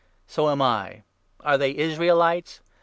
So am I ! Are they Israelites